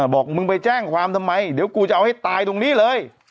บอกมึงไปแจ้งความทำไมเดี๋ยวกูจะเอาให้ตายตรงนี้เลย